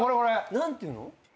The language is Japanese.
何ていうの？